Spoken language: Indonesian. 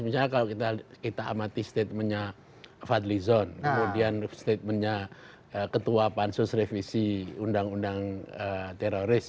misalnya kalau kita amati statementnya fadli zon kemudian statementnya ketua pansus revisi undang undang teroris